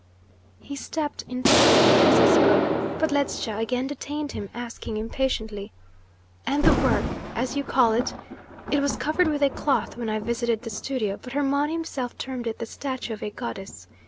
He stepped into the boat as he spoke, but Ledscha again detained him, asking impatiently: "And 'the work,' as you call it? It was covered with a cloth when I visited the studio, but Hermon himself termed it the statue of a goddess.